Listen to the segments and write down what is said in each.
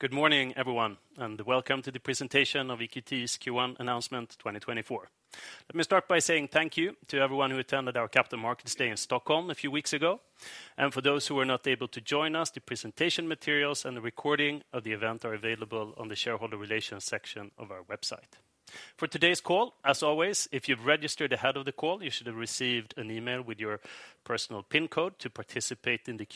Good morning, everyone, and welcome to the presentation of EQT's Q1 announcement 2024. Let me start by saying thank you to everyone who attended our Capital Markets Day in Stockholm a few weeks ago, and for those who were not able to join us, the presentation materials and the recording of the event are available on the Shareholder Relations section of our website. For today's call, as always, if you've registered ahead of the call, you should have received an email with your personal pin code to participate in the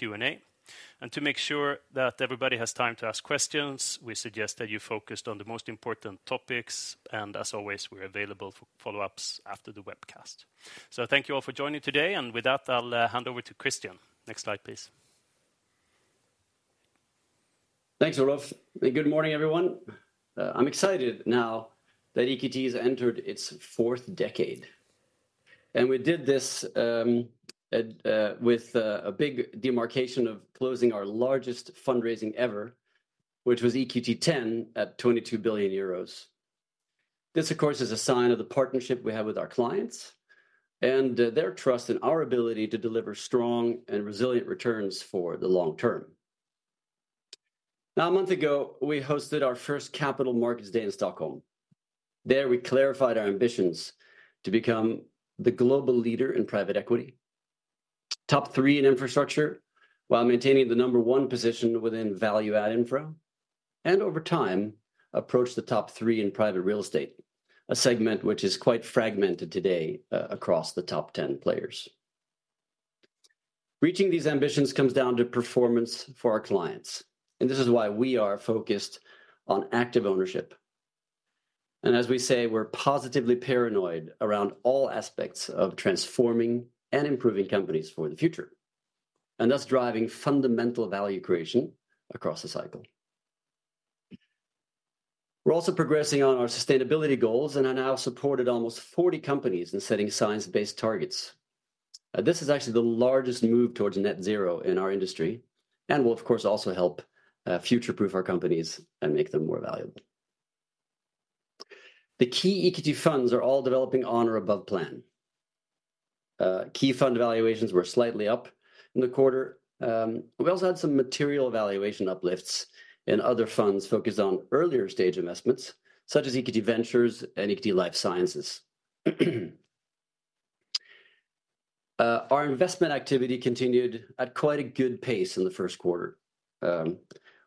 Q&A. To make sure that everybody has time to ask questions, we suggest that you focus on the most important topics, and as always, we're available for follow-ups after the webcast. So thank you all for joining today, and with that, I'll hand over to Christian. Next slide, please. Thanks, Olof, and good morning, everyone. I'm excited now that EQT has entered its fourth decade, and we did this with a big demarcation of closing our largest fundraising ever, which was EQT X at 22 billion euros. This, of course, is a sign of the partnership we have with our clients and their trust in our ability to deliver strong and resilient returns for the long term. Now, a month ago, we hosted our first Capital Markets Day in Stockholm. There, we clarified our ambitions to become the global leader in private equity, top three in infrastructure, while maintaining the number one position within value add infra, and over time, approach the top three in private real estate, a segment which is quite fragmented today across the top 10 players. Reaching these ambitions comes down to performance for our clients, and this is why we are focused on active ownership. And as we say, we're positively paranoid around all aspects of transforming and improving companies for the future, and thus driving fundamental value creation across the cycle. We're also progressing on our sustainability goals and are now supported almost 40 companies in setting science-based targets. This is actually the largest move towards net zero in our industry and will, of course, also help future-proof our companies and make them more valuable. The key EQT funds are all developing on or above plan. Key fund valuations were slightly up in the quarter. We also had some material valuation uplifts in other funds focused on earlier stage investments, such as EQT Ventures and EQT Life Sciences. Our investment activity continued at quite a good pace in the first quarter.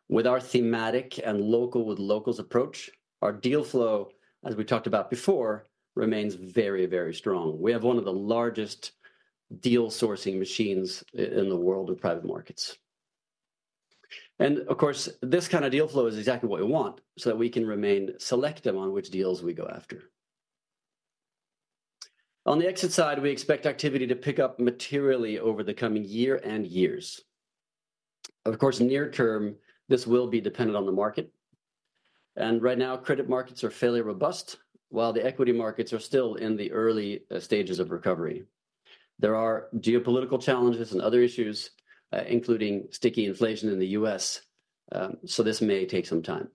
With our thematic and local with locals approach, our deal flow, as we talked about before, remains very, very strong. We have one of the largest deal sourcing machines in the world of private markets. And of course, this kind of deal flow is exactly what we want so that we can remain selective on which deals we go after. On the exit side, we expect activity to pick up materially over the coming year and years. Of course, near term, this will be dependent on the market, and right now, credit markets are fairly robust, while the equity markets are still in the early stages of recovery. There are geopolitical challenges and other issues, including sticky inflation in the U.S., so this may take some time.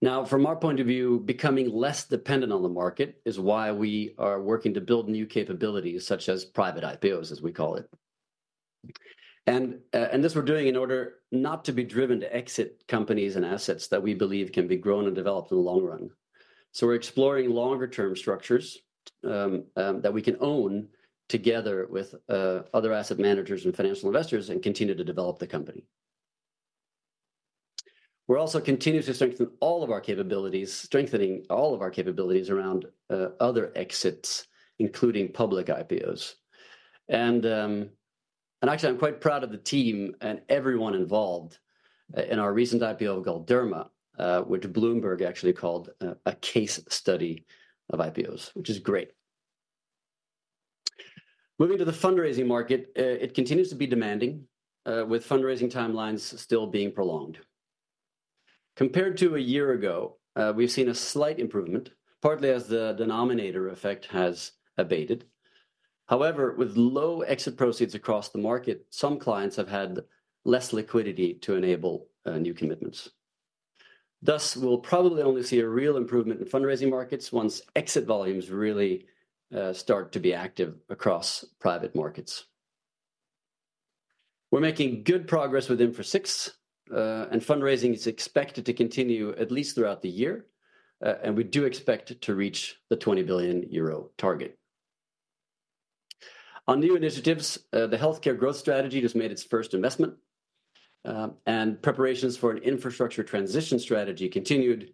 Now, from our point of view, becoming less dependent on the market is why we are working to build new capabilities, such as Private IPOs, as we call it. And this we're doing in order not to be driven to exit companies and assets that we believe can be grown and developed in the long run. So we're exploring longer term structures that we can own together with other asset managers and financial investors and continue to develop the company. We're also continuing to strengthen all of our capabilities, strengthening all of our capabilities around other exits, including public IPOs. And actually, I'm quite proud of the team and everyone involved in our recent IPO, Galderma, which Bloomberg actually called a case study of IPOs, which is great. Moving to the fundraising market, it continues to be demanding, with fundraising timelines still being prolonged. Compared to a year ago, we've seen a slight improvement, partly as the denominator effect has abated. However, with low exit proceeds across the market, some clients have had less liquidity to enable new commitments. Thus, we'll probably only see a real improvement in fundraising markets once exit volumes really start to be active across private markets. We're making good progress with Infra VI, and fundraising is expected to continue at least throughout the year, and we do expect it to reach the 20 billion euro target. On new initiatives, the Healthcare Growth strategy just made its first investment, and preparations for an infrastructure transition strategy continued,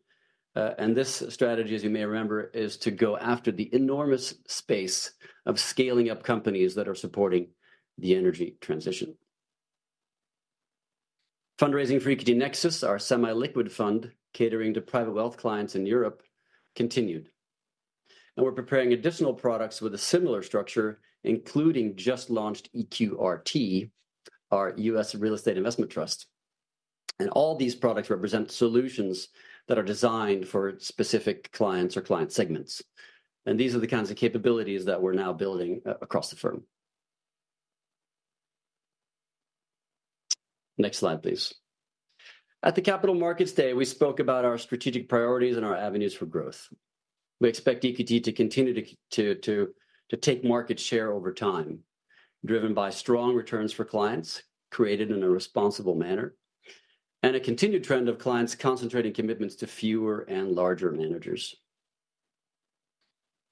and this strategy, as you may remember, is to go after the enormous space of scaling up companies that are supporting the energy transition. Fundraising for EQT Nexus, our semi-liquid fund catering to private wealth clients in Europe, continued, and we're preparing additional products with a similar structure, including just-launched EQRT, our U.S. real estate investment trust. And all these products represent solutions that are designed for specific clients or client segments, and these are the kinds of capabilities that we're now building across the firm. Next slide, please. At the Capital Markets Day, we spoke about our strategic priorities and our avenues for growth. We expect EQT to continue to take market share over time, driven by strong returns for clients, created in a responsible manner, and a continued trend of clients concentrating commitments to fewer and larger managers.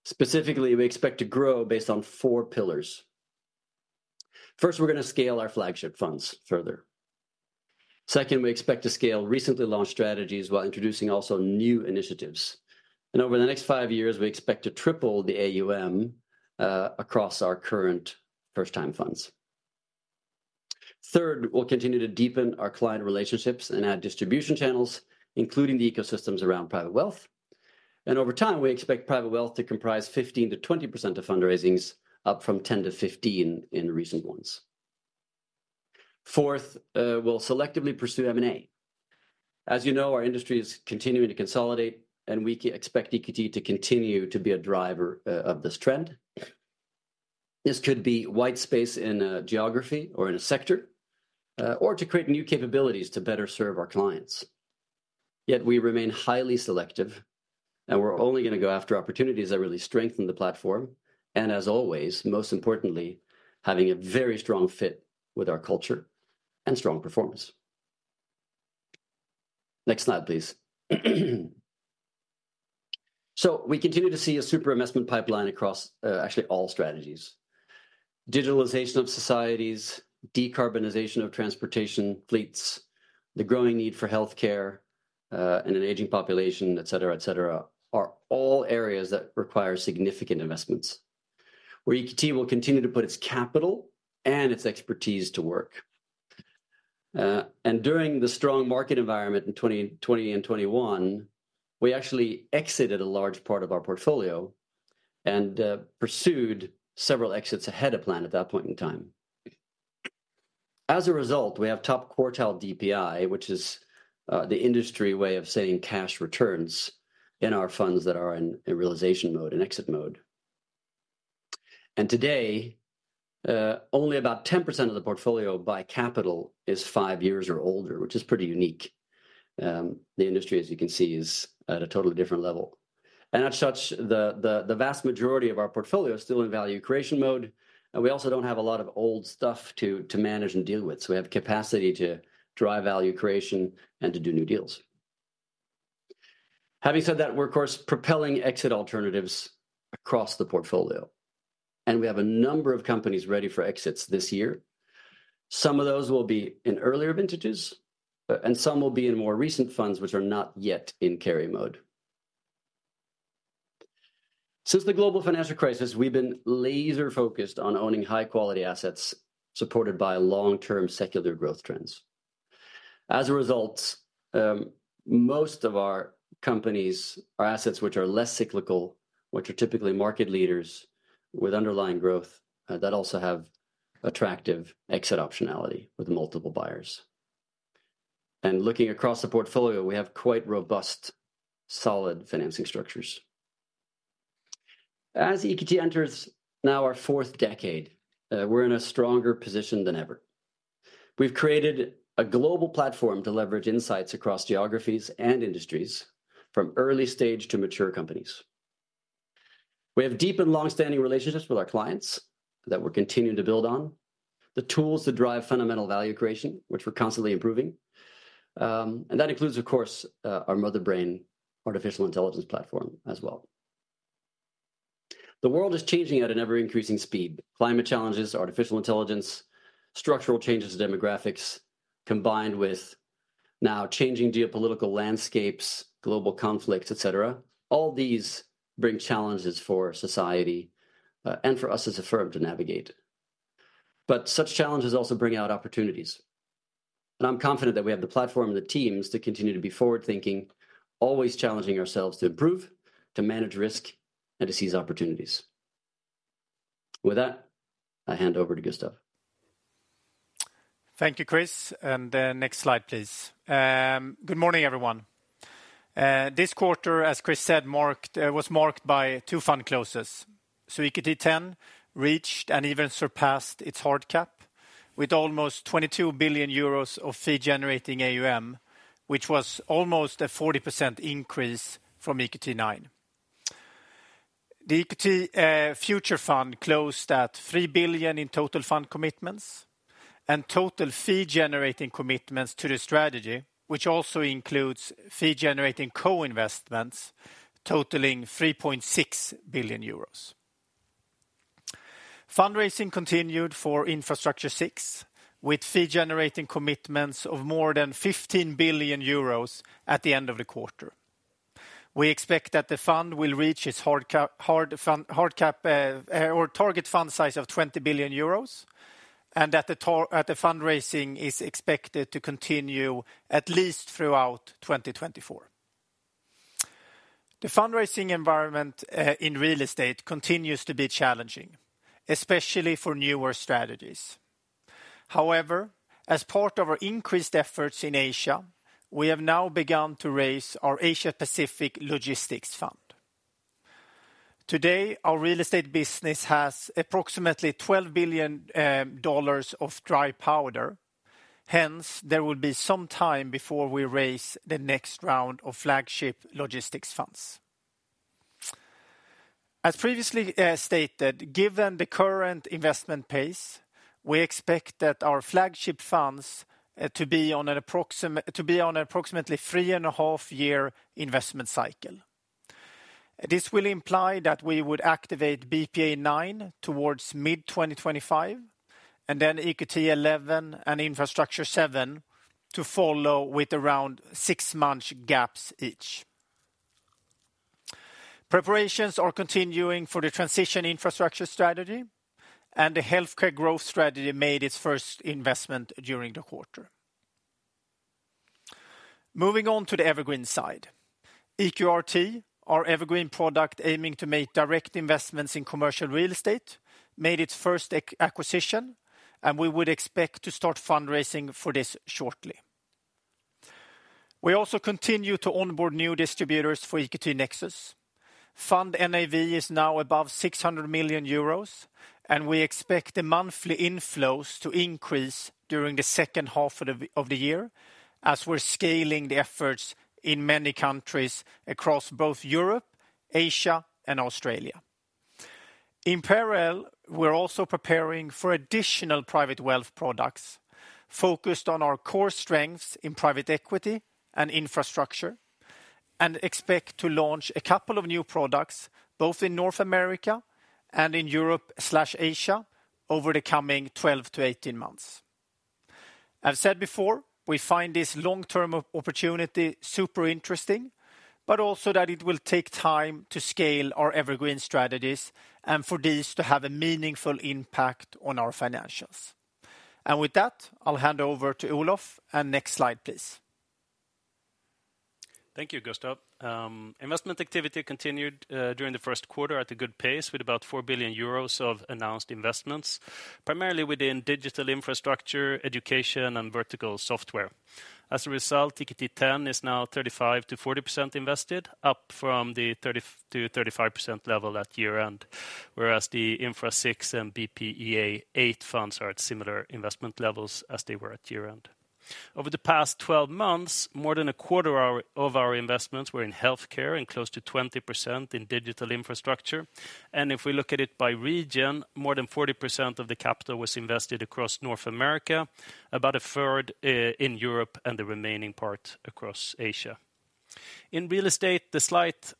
Specifically, we expect to grow based on four pillars. First, we're gonna scale our flagship funds further. Second, we expect to scale recently launched strategies while introducing also new initiatives, and over the next five years, we expect to triple the AUM across our current first-time funds. Third, we'll continue to deepen our client relationships and add distribution channels, including the ecosystems around private wealth, and over time, we expect private wealth to comprise 15%-20% of fundraisings, up from 10%-15% in recent ones. Fourth, we'll selectively pursue M&A. As you know, our industry is continuing to consolidate, and we expect EQT to continue to be a driver of this trend. This could be white space in a geography or in a sector, or to create new capabilities to better serve our clients. Yet we remain highly selective, and we're only gonna go after opportunities that really strengthen the platform, and as always, most importantly, having a very strong fit with our culture and strong performance. Next slide, please. So we continue to see a super investment pipeline across actually all strategies. Digitalization of societies, decarbonization of transportation fleets, the growing need for healthcare, and an aging population, et cetera, et cetera, are all areas that require significant investments, where EQT will continue to put its capital and its expertise to work. And during the strong market environment in 2020 and 2021, we actually exited a large part of our portfolio and pursued several exits ahead of plan at that point in time. As a result, we have top quartile DPI, which is the industry way of saying cash returns in our funds that are in realization mode, in exit mode. And today, only about 10% of the portfolio by capital is five years or older, which is pretty unique. The industry, as you can see, is at a totally different level, and as such, the vast majority of our portfolio is still in value creation mode, and we also don't have a lot of old stuff to manage and deal with, so we have capacity to drive value creation and to do new deals. Having said that, we're of course propelling exit alternatives across the portfolio, and we have a number of companies ready for exits this year. Some of those will be in earlier vintages, and some will be in more recent funds, which are not yet in carry mode. Since the global financial crisis, we've been laser-focused on owning high-quality assets, supported by long-term secular growth trends. As a result, most of our companies are assets which are less cyclical, which are typically market leaders with underlying growth that also have attractive exit optionality with multiple buyers. And looking across the portfolio, we have quite robust, solid financing structures. As EQT enters now our fourth decade, we're in a stronger position than ever. We've created a global platform to leverage insights across geographies and industries, from early stage to mature companies. We have deep and long-standing relationships with our clients that we're continuing to build on, the tools to drive fundamental value creation, which we're constantly improving, and that includes, of course, our Motherbrain artificial intelligence platform as well. The world is changing at an ever-increasing speed. Climate challenges, artificial intelligence, structural changes to demographics, combined with now changing geopolitical landscapes, global conflicts, et cetera, all these bring challenges for society, and for us as a firm to navigate. But such challenges also bring out opportunities, and I'm confident that we have the platform and the teams to continue to be forward-thinking, always challenging ourselves to improve, to manage risk, and to seize opportunities. With that, I hand over to Gustav. Thank you, Chris, and, next slide, please. Good morning, everyone. This quarter, as Chris said, was marked by two fund closes. So EQT X reached and even surpassed its hard cap with almost 22 billion euros of fee-generating AUM, which was almost a 40% increase from EQT IX. The EQT Future Fund closed at 3 billion in total fund commitments and total fee-generating commitments to the strategy, which also includes fee-generating co-investments totaling EUR 3.6 billion. Fundraising continued for Infrastructure VI, with fee-generating commitments of more than 15 billion euros at the end of the quarter. We expect that the fund will reach its hard cap or target fund size of 20 billion euros, and the fundraising is expected to continue at least throughout 2024. The fundraising environment in real estate continues to be challenging, especially for newer strategies. However, as part of our increased efforts in Asia, we have now begun to raise our Asia-Pacific logistics fund. Today, our real estate business has approximately $12 billion of dry powder. Hence, there will be some time before we raise the next round of flagship logistics funds. As previously stated, given the current investment pace, we expect that our flagship funds to be on approximately 3.5-year investment cycle. This will imply that we would activate BPEA IX towards mid-2025, and then EQT XI and Infrastructure VII to follow with around six-month gaps each. Preparations are continuing for the transition infrastructure strategy, and the healthcare growth strategy made its first investment during the quarter. Moving on to the evergreen side. EQRT, our evergreen product aiming to make direct investments in commercial real estate, made its first acquisition, and we would expect to start fundraising for this shortly. We also continue to onboard new distributors for EQT Nexus. Fund NAV is now above 600 million euros, and we expect the monthly inflows to increase during the second half of the year, as we're scaling the efforts in many countries across both Europe, Asia, and Australia. In parallel, we're also preparing for additional private wealth products focused on our core strengths in private equity and infrastructure, and expect to launch a couple of new products, both in North America and in Europe slash Asia, over the coming 12-18 months. I've said before, we find this long-term opportunity super interesting, but also that it will take time to scale our evergreen strategies and for these to have a meaningful impact on our financials. And with that, I'll hand over to Olof. And next slide, please. Thank you, Gustav. Investment activity continued during the first quarter at a good pace, with about 4 billion euros of announced investments, primarily within digital infrastructure, education, and vertical software. As a result, EQT X is now 35%-40% invested, up from the 30%-35% level at year-end, whereas the Infra VI and BPEA VIII funds are at similar investment levels as they were at year-end. Over the past 12 months, more than a quarter of our investments were in healthcare and close to 20% in digital infrastructure. And if we look at it by region, more than 40% of the capital was invested across North America, about a third in Europe, and the remaining part across Asia. In real estate, the slight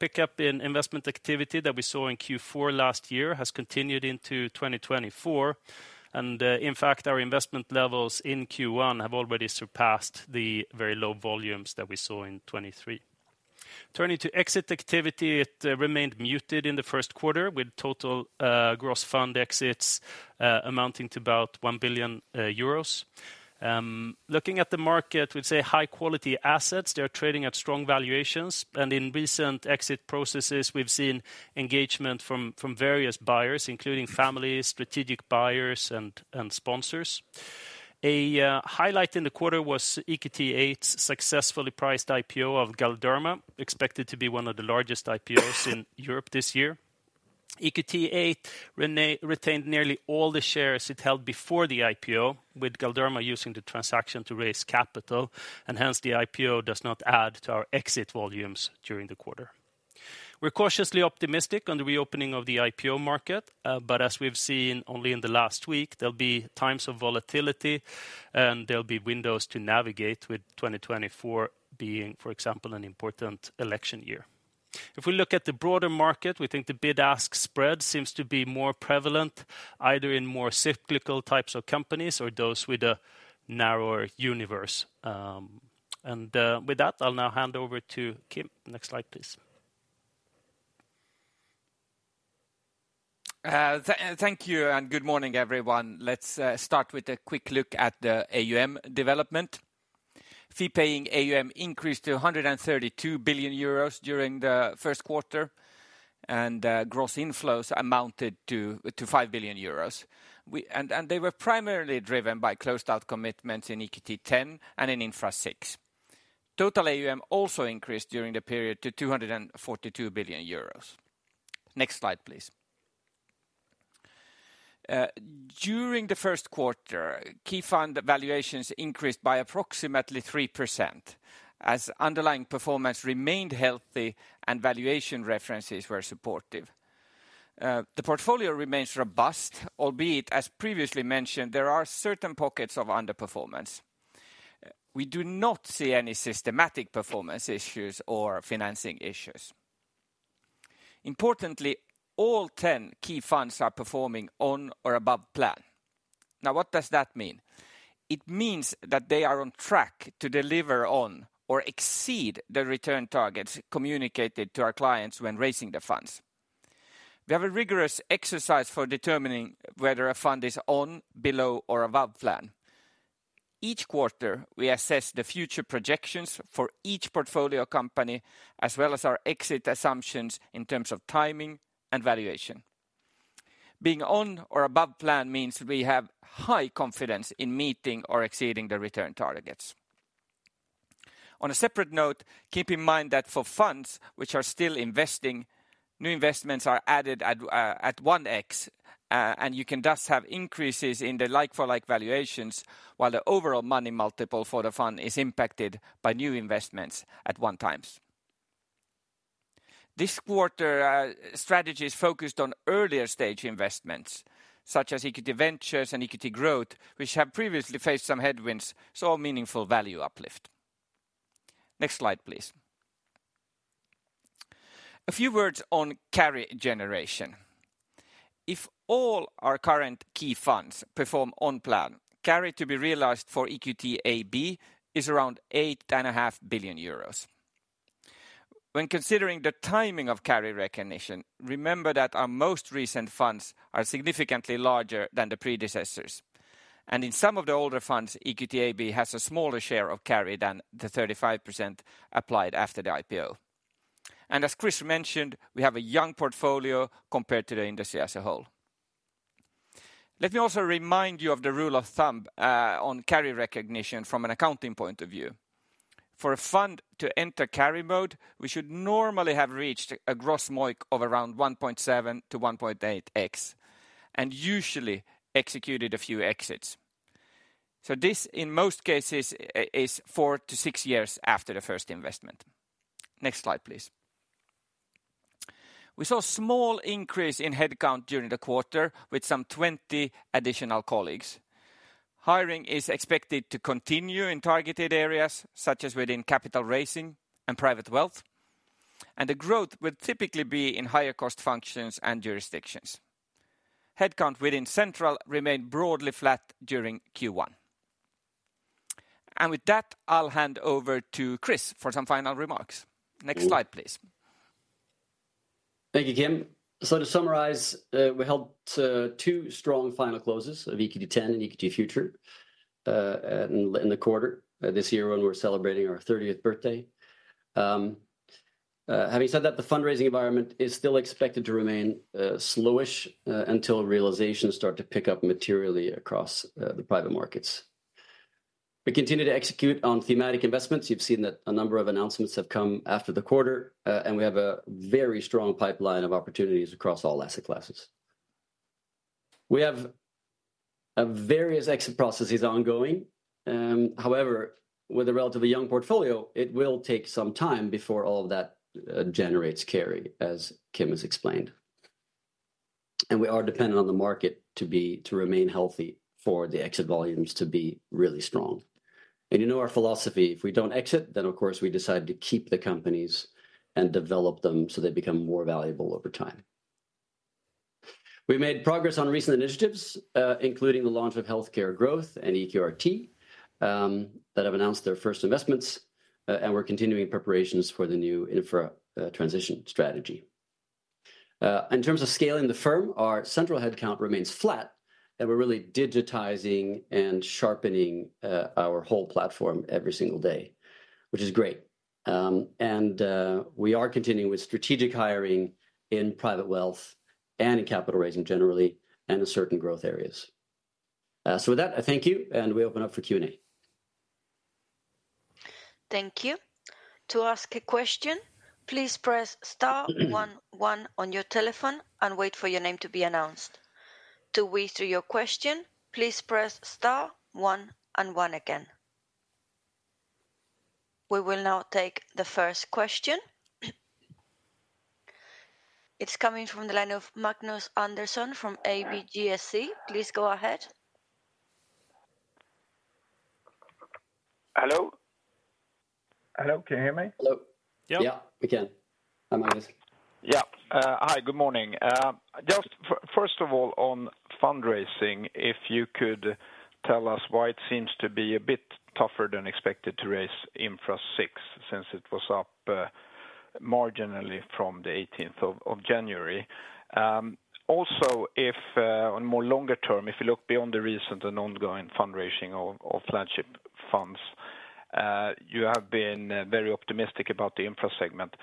pickup in investment activity that we saw in Q4 last year has continued into 2024, and in fact, our investment levels in Q1 have already surpassed the very low volumes that we saw in 2023. Turning to exit activity, it remained muted in the first quarter, with total gross fund exits amounting to about 1 billion euros. Looking at the market, we'd say high quality assets, they're trading at strong valuations, and in recent exit processes, we've seen engagement from various buyers, including families, strategic buyers, and sponsors. A highlight in the quarter was EQT VIII's successfully priced IPO of Galderma, expected to be one of the largest IPOs in Europe this year. EQT VIII retained nearly all the shares it held before the IPO, with Galderma using the transaction to raise capital, and hence, the IPO does not add to our exit volumes during the quarter. We're cautiously optimistic on the reopening of the IPO market, but as we've seen only in the last week, there'll be times of volatility, and there'll be windows to navigate, with 2024 being, for example, an important election year. If we look at the broader market, we think the bid-ask spread seems to be more prevalent, either in more cyclical types of companies or those with a narrower universe. With that, I'll now hand over to Kim. Next slide, please. Thank you, and good morning, everyone. Let's start with a quick look at the AUM development. Fee paying AUM increased to 132 billion euros during the first quarter, and gross inflows amounted to 5 billion euros. They were primarily driven by closed out commitments in EQT X and in Infra VI. Total AUM also increased during the period to 242 billion euros. Next slide, please. During the first quarter, key fund valuations increased by approximately 3%, as underlying performance remained healthy and valuation references were supportive. The portfolio remains robust, albeit, as previously mentioned, there are certain pockets of underperformance. We do not see any systematic performance issues or financing issues. Importantly, all 10 key funds are performing on or above plan. Now, what does that mean? It means that they are on track to deliver on or exceed the return targets communicated to our clients when raising the funds. We have a rigorous exercise for determining whether a fund is on, below, or above plan. Each quarter, we assess the future projections for each portfolio company, as well as our exit assumptions in terms of timing and valuation. Being on or above plan means we have high confidence in meeting or exceeding the return targets. On a separate note, keep in mind that for funds which are still investing, new investments are added at 1x, and you can thus have increases in the like for like valuations, while the overall money multiple for the fund is impacted by new investments at 1 times. This quarter, strategy is focused on earlier stage investments, such as EQT Ventures and EQT Growth, which have previously faced some headwinds, saw meaningful value uplift. Next slide, please. A few words on carry generation. If all our current key funds perform on plan, carry to be realized for EQT AB is around 8.5 billion euros. When considering the timing of carry recognition, remember that our most recent funds are significantly larger than the predecessors, and in some of the older funds, EQT AB has a smaller share of carry than the 35% applied after the IPO. And as Chris mentioned, we have a young portfolio compared to the industry as a whole. Let me also remind you of the rule of thumb on carry recognition from an accounting point of view. For a fund to enter carry mode, we should normally have reached a gross MOIC of around 1.7x-1.8x, and usually executed a few exits. So this, in most cases, is four to six years after the first investment. Next slide, please. We saw small increase in headcount during the quarter with some 20 additional colleagues. Hiring is expected to continue in targeted areas, such as within capital raising and private wealth, and the growth will typically be in higher cost functions and jurisdictions. Headcount within central remained broadly flat during Q1. And with that, I'll hand over to Chris for some final remarks. Next slide, please. Thank you, Kim. So to summarize, we held two strong final closes of EQT X and EQT Future in the quarter this year when we're celebrating our 30th birthday. Having said that, the fundraising environment is still expected to remain slowish until realizations start to pick up materially across the private markets. We continue to execute on thematic investments. You've seen that a number of announcements have come after the quarter, and we have a very strong pipeline of opportunities across all asset classes. We have various exit processes ongoing. However, with a relatively young portfolio, it will take some time before all of that generates carry, as Kim has explained. And we are dependent on the market to remain healthy for the exit volumes to be really strong. You know our philosophy, if we don't exit, then of course we decide to keep the companies and develop them so they become more valuable over time. We made progress on recent initiatives, including the launch of Healthcare Growth and EQRT, that have announced their first investments, and we're continuing preparations for the new infrastructure transition strategy. In terms of scaling the firm, our central headcount remains flat, and we're really digitizing and sharpening our whole platform every single day, which is great. And we are continuing with strategic hiring in private wealth and in capital raising generally, and in certain growth areas. So with that, I thank you, and we open up for Q&A. Thank you. To ask a question, please press star one one on your telephone and wait for your name to be announced. To withdraw your question, please press star one and one again. We will now take the first question. It's coming from the line of Magnus Andersson from ABGSC. Please go ahead. Hello? Hello, can you hear me? Hello. Yep. Yeah, we can. Hi, Magnus. Yeah. Hi, good morning. Just first of all, on fundraising, if you could tell us why it seems to be a bit tougher than expected to raise Infra VI, since it was up marginally from the eighteenth of January. Also, if on more longer term, if you look beyond the recent and ongoing fundraising of flagship funds, you have been very optimistic about the Infra segment.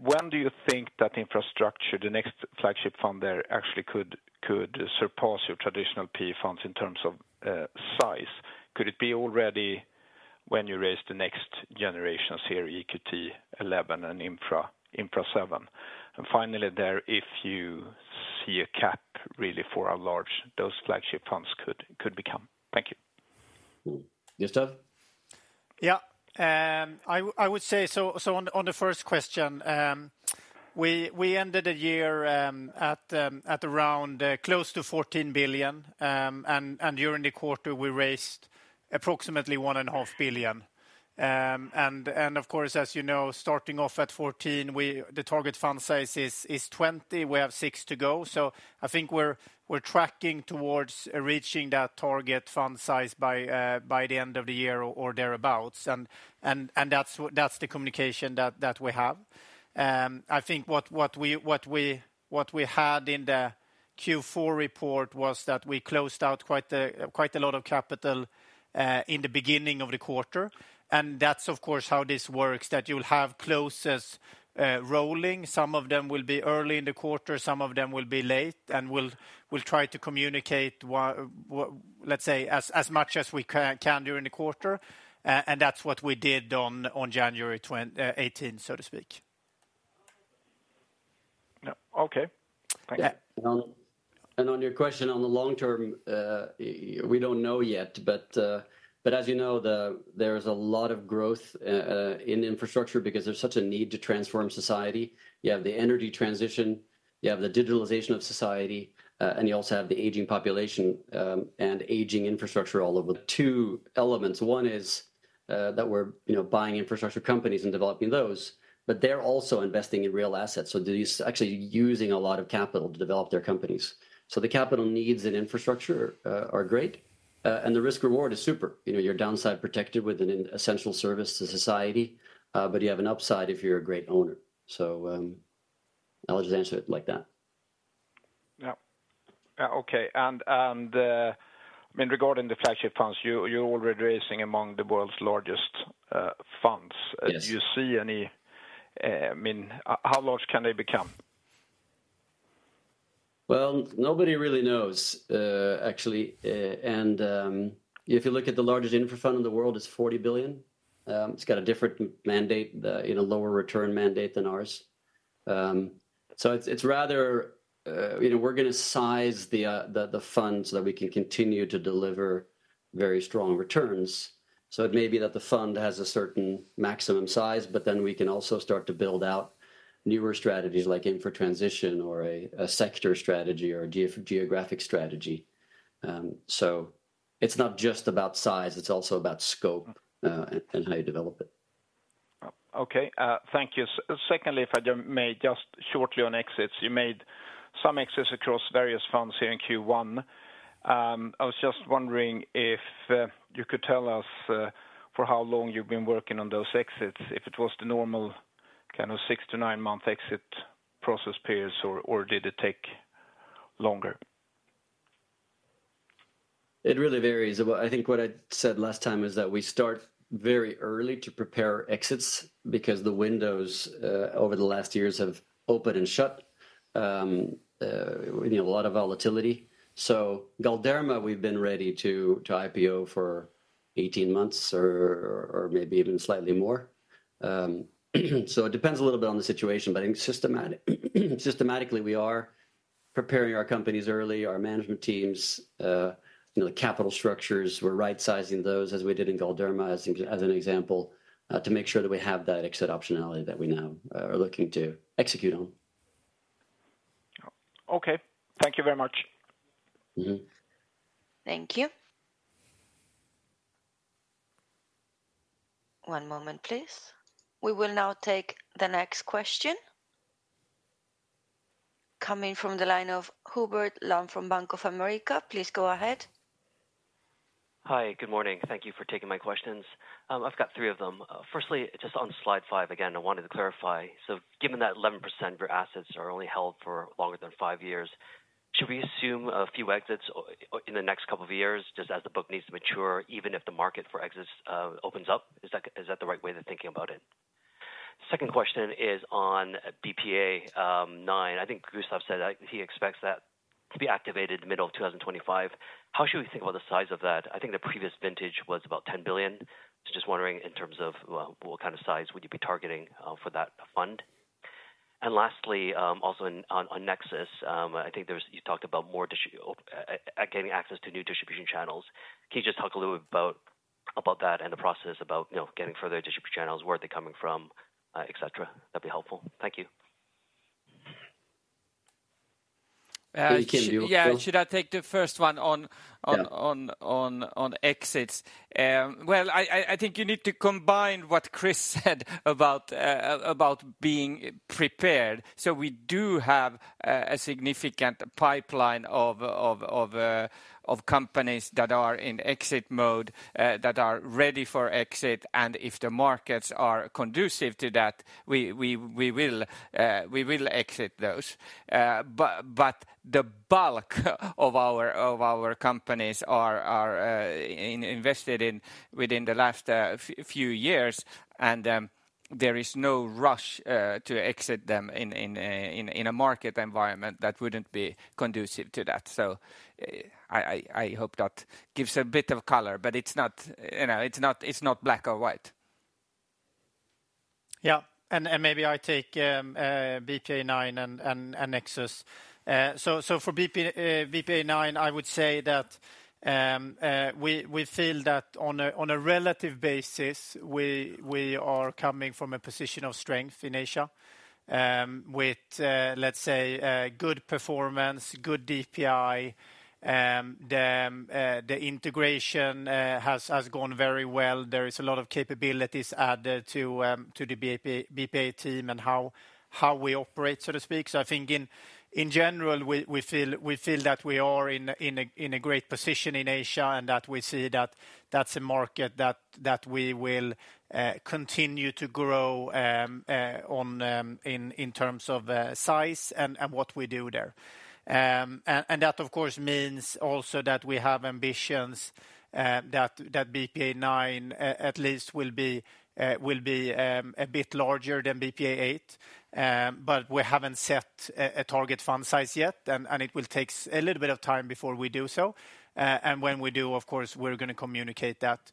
When do you think that infrastructure, the next flagship fund there, actually could surpass your traditional PE funds in terms of size? Could it be already when you raise the next generation, say, EQT XI and Infra VII? And finally, there, if you see a cap, really, for how large those flagship funds could become. Thank you. Gustav? Yeah. I would say, so on the first question, we ended the year at around close to 14 billion. And during the quarter, we raised approximately 1.5 billion. And of course, as you know, starting off at 14, the target fund size is 20. We have six to go. So I think we're tracking towards reaching that target fund size by the end of the year or thereabout. And that's the communication that we have. I think what we had in the Q4 report was that we closed out quite a lot of capital in the beginning of the quarter. And that's, of course, how this works, that you'll have closes rolling. Some of them will be early in the quarter, some of them will be late, and we'll, we'll try to communicate what, what... Let's say, as, as much as we can during the quarter, and that's what we did on, on January 2018, so to speak. Yeah. Okay, thank you. And on your question on the long term, we don't know yet, but, but as you know, there's a lot of growth in infrastructure because there's such a need to transform society. You have the energy transition, you have the digitalization of society, and you also have the aging population, and aging infrastructure all over. Two elements, one is, that we're, you know, buying infrastructure companies and developing those, but they're also investing in real assets, so they're actually using a lot of capital to develop their companies. So the capital needs in infrastructure are great, and the risk/reward is super. You know, you're downside protected with an essential service to society, but you have an upside if you're a great owner. So, I'll just answer it like that. Yeah. Okay, and I mean, regarding the flagship funds, you're already raising among the world's largest funds. Yes. Do you see any... I mean, how large can they become? Well, nobody really knows, actually. If you look at the largest infra fund in the world, it's 40 billion. It's got a different mandate, you know, lower return mandate than ours. It's rather... You know, we're gonna size the fund so that we can continue to deliver very strong returns. So it may be that the fund has a certain maximum size, but then we can also start to build out newer strategies, like infra transition or a sector strategy or a geographic strategy. It's not just about size, it's also about scope- Mm-hmm... and how you develop it. Okay, thank you. Secondly, if I may, just shortly on exits, you made some exits across various funds here in Q1. I was just wondering if you could tell us for how long you've been working on those exits, if it was the normal kind of six to nine-month exit process periods, or did it take longer? It really varies. Well, I think what I said last time is that we start very early to prepare exits, because the windows over the last years have opened and shut. You know, a lot of volatility. So Galderma, we've been ready to IPO for 18 months or maybe even slightly more. So it depends a little bit on the situation, but I think systematic, systematically, we are preparing our companies early, our management teams, you know, the capital structures, we're right-sizing those, as we did in Galderma, as an example, to make sure that we have that exit optionality that we now are looking to execute on. Oh, okay. Thank you very much. Mm-hmm. Thank you. One moment, please. We will now take the next question, coming from the line of Hubert Lam from Bank of America. Please go ahead. Hi, good morning. Thank you for taking my questions. I've got three of them. Firstly, just on slide five, again, I wanted to clarify, so given that 11% of your assets are only held for longer than five years, should we assume a few exits in the next couple of years, just as the book needs to mature, even if the market for exits opens up? Is that, is that the right way to thinking about it? Second question is on BPEA IX. I think Gustav said that he expects that to be activated middle of 2025. How should we think about the size of that? I think the previous vintage was about $10 billion. So just wondering, in terms of, well, what kind of size would you be targeting for that fund? And lastly, also on Nexus, I think there was... You talked about more gaining access to new distribution channels. Can you just talk a little about that and the process about, you know, getting further distribution channels? Where are they coming from, et cetera? That'd be helpful. Thank you. Kim, do you want to- Yeah, should I take the first one on- Yeah... on exits? Well, I think you need to combine what Chris said about being prepared. So we do have a significant pipeline of companies that are in exit mode, that are ready for exit, and if the markets are conducive to that, we will exit those. But the bulk of our companies are invested in within the last few years, and there is no rush to exit them in a market environment that wouldn't be conducive to that. So, I hope that gives a bit of color, but it's not, you know, it's not black or white. Yeah, and maybe I take BPEA IX and Nexus. So for BPEA IX, I would say that we feel that on a relative basis, we are coming from a position of strength in Asia, with let's say, a good performance, good DPI. The integration has gone very well. There is a lot of capabilities added to the BPEA team and how we operate, so to speak. So I think in general, we feel that we are in a great position in Asia, and that we see that that's a market that we will continue to grow on in terms of size and what we do there. And that, of course, means also that we have ambitions that BPEA IX at least will be a bit larger than BPEA VIII. But we haven't set a target fund size yet, and it will take a little bit of time before we do so. And when we do, of course, we're gonna communicate that.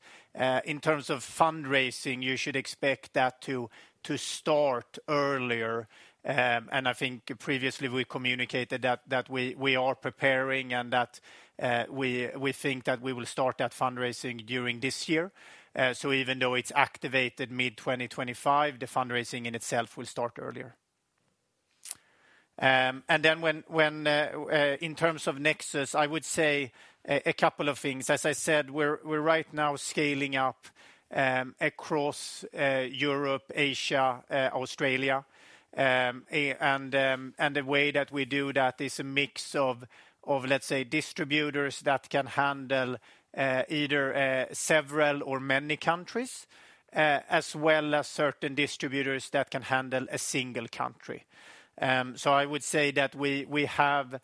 In terms of fundraising, you should expect that to start earlier. And I think previously we communicated that we are preparing, and that we think that we will start that fundraising during this year. So even though it's activated mid-2025, the fundraising in itself will start earlier. And then when in terms of Nexus, I would say a couple of things. As I said, we're right now scaling up across Europe, Asia, Australia. And the way that we do that is a mix of, let's say, distributors that can handle either several or many countries, as well as certain distributors that can handle a single country. So I would say that we have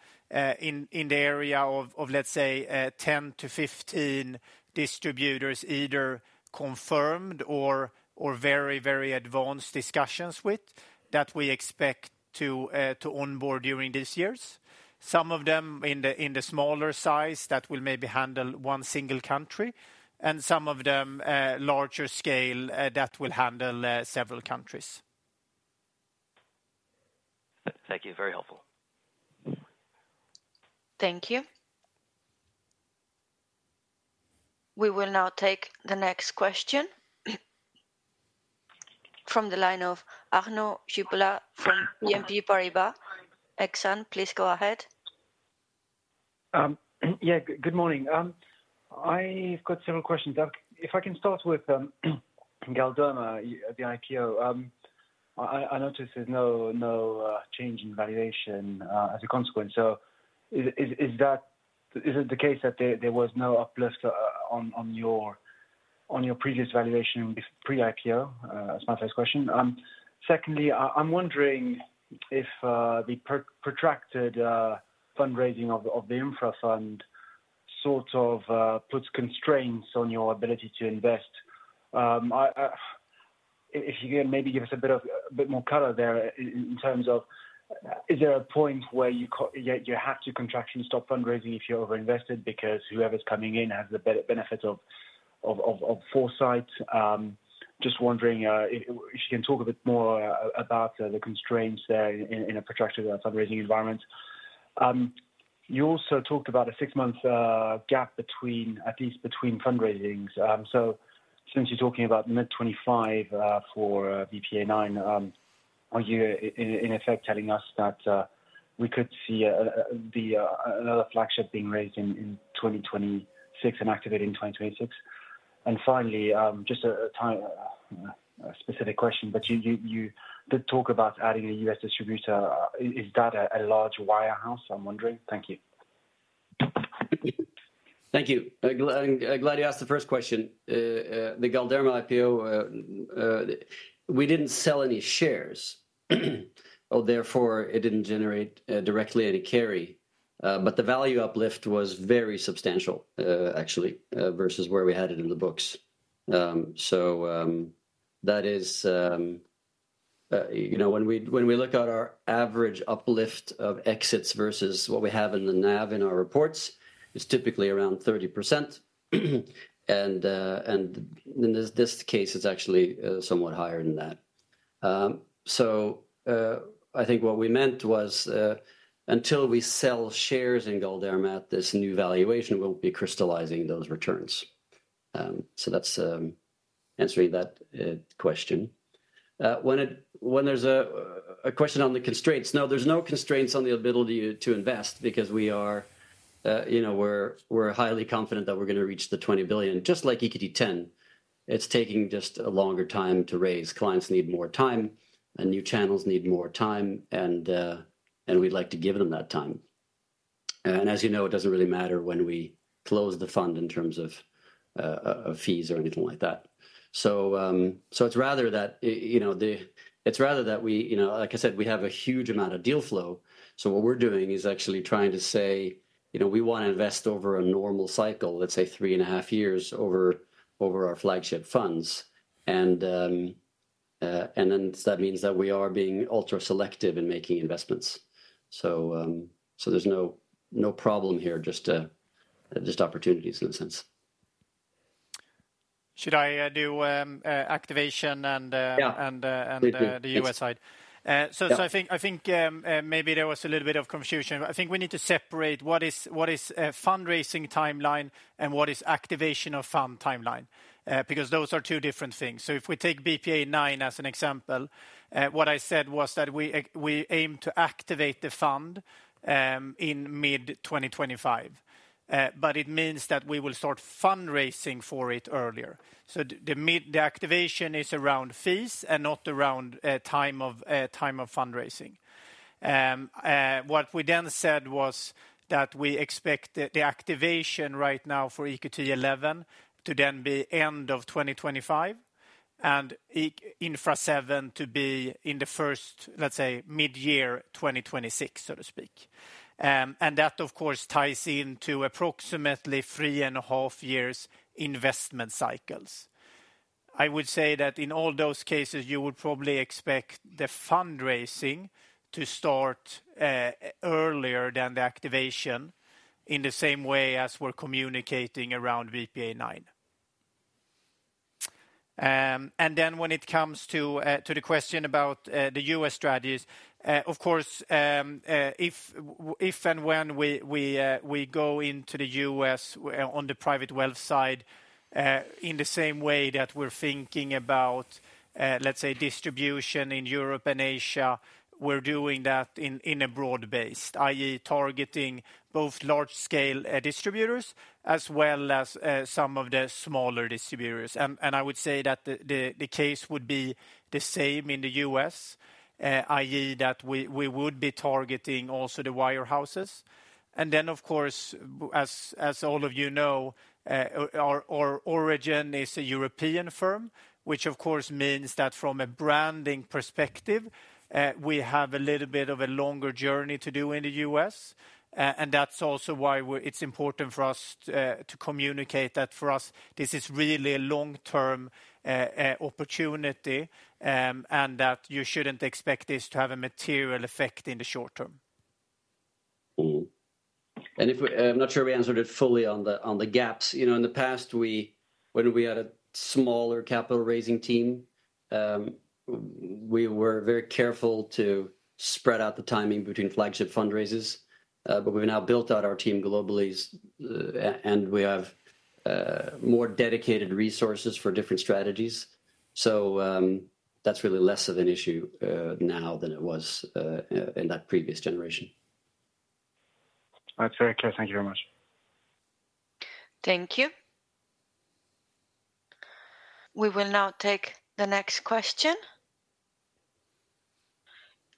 in the area of, let's say, 10-15 distributors, either confirmed or very, very advanced discussions with, that we expect to onboard during these years. Some of them in the smaller size, that will maybe handle one single country, and some of them larger scale, that will handle several countries. Thank you. Very helpful. Thank you. We will now take the next question from the line of Arnaud Giblat from BNP Paribas. Arnaud, please go ahead. Yeah, good morning. I've got several questions. If I can start with Galderma, the IPO. I noticed there's no change in valuation as a consequence. So is that... Is it the case that there was no uplift on your previous valuation with pre-IPO? That's my first question. Secondly, I'm wondering if the protracted fundraising of the infra fund sort of puts constraints on your ability to invest. If you can maybe give us a bit more color there in terms of, is there a point where you have to stop fundraising if you're over-invested? Because whoever's coming in has the benefit of foresight. Just wondering, if you can talk a bit more about the constraints in a protracted fundraising environment. You also talked about a six-month gap between, at least between fundraisings. So since you're talking about mid-2025 for BPEA IX, are you in effect telling us that we could see the another flagship being raised in 2026 and activated in 2026? And finally, just a specific question, but you did talk about adding a U.S. distributor. Is that a large wirehouse, I'm wondering? Thank you. Thank you. Glad you asked the first question. The Galderma IPO, we didn't sell any shares, or therefore it didn't generate directly any carry. But the value uplift was very substantial, actually, versus where we had it in the books. So, you know, when we look at our average uplift of exits versus what we have in the NAV in our reports, it's typically around 30%. And in this case, it's actually somewhat higher than that. So, I think what we meant was, until we sell shares in Galderma at this new valuation, we'll be crystallizing those returns. So that's answering that question. When there's a question on the constraints, no, there's no constraints on the ability to invest because we are, you know, we're highly confident that we're gonna reach the 20 billion, just like EQT X. It's taking just a longer time to raise. Clients need more time, and new channels need more time, and we'd like to give them that time. And as you know, it doesn't really matter when we close the fund in terms of fees or anything like that. So it's rather that, you know, it's rather that we, you know, like I said, we have a huge amount of deal flow. So what we're doing is actually trying to say, "You know, we wanna invest over a normal cycle, let's say 3.5 years, over our flagship funds." And then so that means that we are being ultra-selective in making investments. So, there's no problem here, just opportunities in a sense. Should I do activation and Yeah... and the- Please do... U.S. side? Yeah. So, I think maybe there was a little bit of confusion. I think we need to separate what is a fundraising timeline and what is activation of fund timeline, because those are two different things. So if we take BPEA IX as an example, what I said was that we aim to activate the fund in mid-2025. But it means that we will start fundraising for it earlier. So the activation is around fees and not around time of fundraising. What we then said was that we expect the activation right now for EQT XI to then be end of 2025, and EQT Infra VII to be in the first, let's say, mid-year 2026, so to speak. And that, of course, ties into approximately three and a half years' investment cycles. I would say that in all those cases, you would probably expect the fundraising to start earlier than the activation, in the same way as we're communicating around BPEA IX. And then when it comes to the question about the U.S. strategies, of course, if and when we go into the U.S. on the private wealth side, in the same way that we're thinking about, let's say, distribution in Europe and Asia, we're doing that in a broad base, i.e., targeting both large-scale distributors as well as some of the smaller distributors. I would say that the case would be the same in the U.S., i.e., that we would be targeting also the wirehouses. And then, of course, as all of you know, our origin is a European firm, which of course means that from a branding perspective, we have a little bit of a longer journey to do in the U.S. And that's also why it's important for us to communicate that for us, this is really a long-term opportunity, and that you shouldn't expect this to have a material effect in the short term. Mm-hmm. And if we... I'm not sure we answered it fully on the gaps. You know, in the past, when we had a smaller capital-raising team, we were very careful to spread out the timing between flagship fundraisers. But we've now built out our team globally, and we have more dedicated resources for different strategies. So, that's really less of an issue now than it was in that previous generation. That's very clear. Thank you very much. Thank you. We will now take the next question,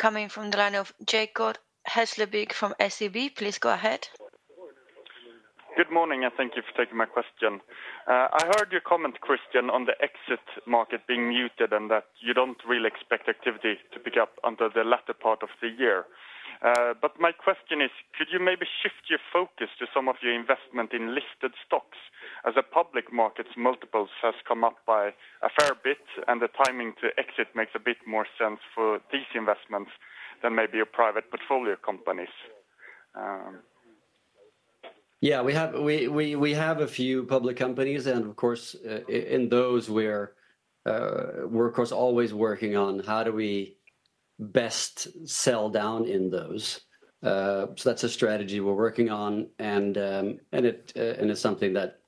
coming from the line of Jacob Hesslevik from SEB. Please go ahead. Good morning, and thank you for taking my question. I heard your comment, Christian, on the exit market being muted, and that you don't really expect activity to pick up until the latter part of the year. But my question is, could you maybe shift your focus to some of your investment in listed stocks, as the public market's multiples has come up by a fair bit, and the timing to exit makes a bit more sense for these investments than maybe your private portfolio companies? Yeah, we have a few public companies, and of course, in those, we're... We're of course always working on how do we best sell down in those. So that's a strategy we're working on, and it's something that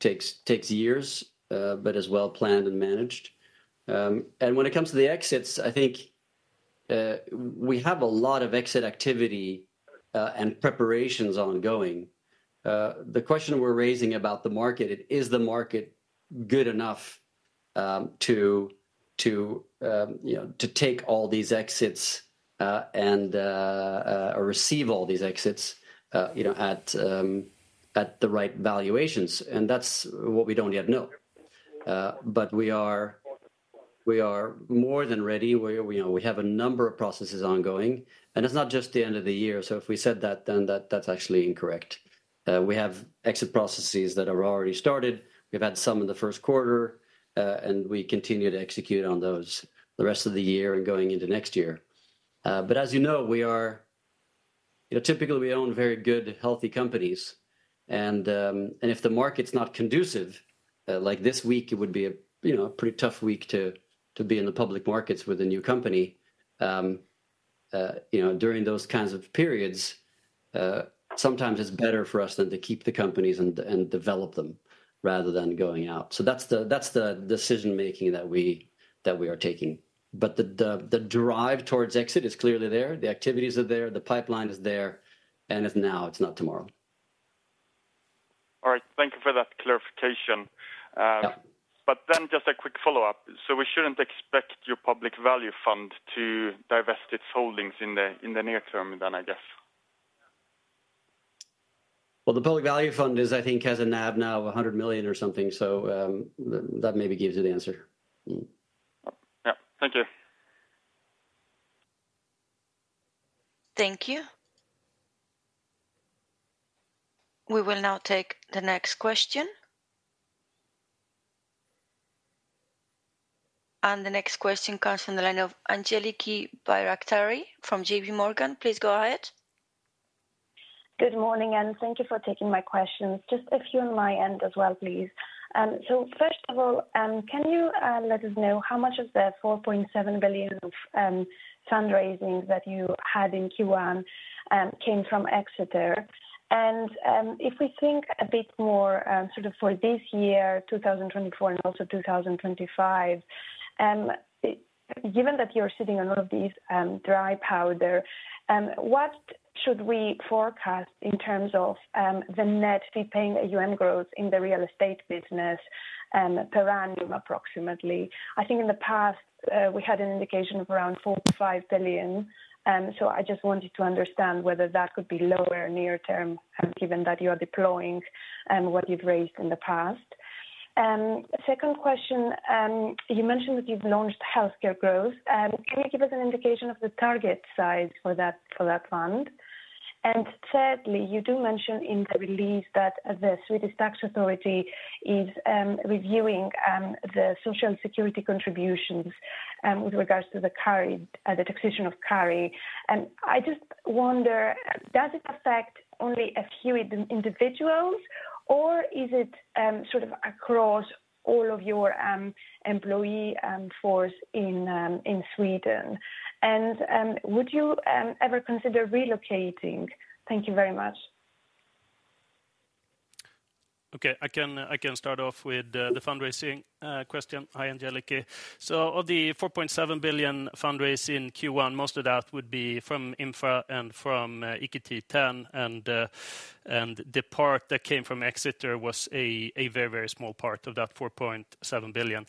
takes years, but is well-planned and managed. And when it comes to the exits, I think, we have a lot of exit activity, and preparations ongoing. The question we're raising about the market is, is the market good enough, you know, to take all these exits, and or receive all these exits, you know, at the right valuations? And that's what we don't yet know. But we are more than ready. We, you know, we have a number of processes ongoing, and it's not just the end of the year, so if we said that, that's actually incorrect. We have exit processes that are already started. We've had some in the first quarter, and we continue to execute on those the rest of the year and going into next year. But as you know, we are. You know, typically, we own very good, healthy companies, and if the market's not conducive, like this week, it would be a, you know, pretty tough week to be in the public markets with a new company. You know, during those kinds of periods, sometimes it's better for us than to keep the companies and develop them rather than going out. So that's the decision-making that we are taking. But the drive towards exit is clearly there. The activities are there, the pipeline is there, and it's now, it's not tomorrow. All right, thank you for that clarification. Yeah. But then just a quick follow-up: So we shouldn't expect your Public Value fund to divest its holdings in the near term then, I guess? Well, the Public Value fund is, I think, has a NAV now of 100 million or something, so, that maybe gives you the answer. Yeah. Thank you. Thank you. We will now take the next question. The next question comes from the line of Angeliki Bairaktari from J.P. Morgan. Please go ahead. Good morning, and thank you for taking my questions. Just a few on my end as well, please. So first of all, can you let us know how much of the $4.7 billion of fundraising that you had in Q1 came from Exeter? And if we think a bit more sort of for this year, 2024, and also 2025, given that you're sitting on a lot of this dry powder, what should we forecast in terms of the net fee-paying AUM growth in the real estate business per annum, approximately? I think in the past we had an indication of around 4 billion-5 billion, so I just wanted to understand whether that could be lower near term given that you are deploying what you've raised in the past. Second question, you mentioned that you've launched Healthcare Growth. Can you give us an indication of the target size for that, for that fund? And thirdly, you do mention in the release that the Swedish Tax Authority is reviewing the social security contributions with regards to the carry, the taxation of carry. And I just wonder, does it affect only a few individuals, or is it sort of across all of your employee force in Sweden? And would you ever consider relocating? Thank you very much. Okay, I can start off with the fundraising question. Hi, Angeliki. So of the 4.7 billion fundraise in Q1, most of that would be from infra and from EQT X, and the part that came from Exeter was a very, very small part of that 4.7 billion.